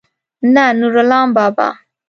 نه نورلام بابا.